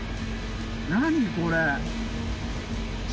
何これ。